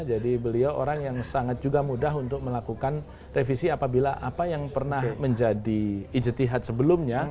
jadi beliau orang yang sangat juga mudah untuk melakukan revisi apabila apa yang pernah menjadi ijtihad sebelumnya